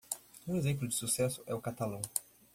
Um exemplo de sucesso é o catalão.